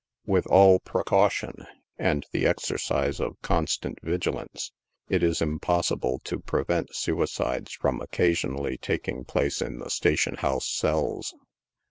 With all precaution, and the exercise of constant vigilance, it is impossible to prevent suicides from occasionally taking place in the station house cells.